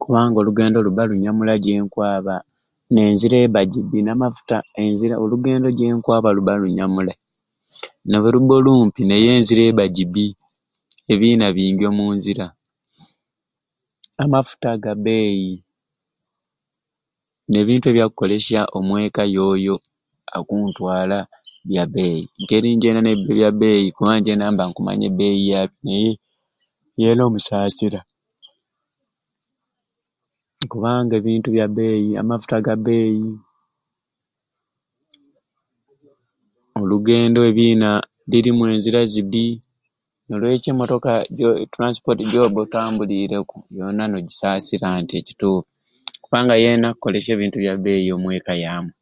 Kubanga olugendo luba lunyamulai jenkwaba nenzira ebba jibi namafuta enzira olugendo jenkwaba luba lunyamulai, nobweruba olumpi naye enzira ebba jibi ebina bingi omunzira, amafuta gabeeyi nebintu ebyakolesya omwekka yoyo akuntwala yabeyi eeh engeri njena mbiba ebyabeeyi kuba njena mba nkumanya ebeeyi yabyo naye yena omusasira kubanga ebintu byabeeyi namafuta gabeeyi olugendo ebina birimu enzira zibi nolwekyo emotoka jo e transport joba otambulireku yona nojisasira nti ekituffu kubanga yena akolesya ebintu byabeeyi omwekka yamwei.